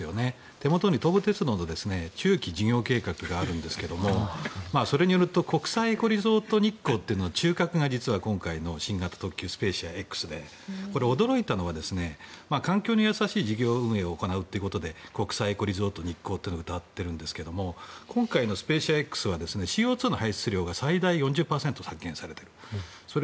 手元に東武鉄道の中期事業計画があるんですがそれによると国際リゾート日光っていうのは中核が実は今回の新型特急スペーシアＸで驚いたのは環境に優しい事業運営を行うということで国際リゾート日光をうたっているんですが今回のスペーシアＸはＣＯ２の排出量が最大４０％削減されている。